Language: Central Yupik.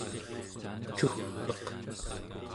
cugg'eq